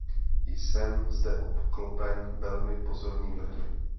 Jsem zde obklopen velmi pozornými lidmi.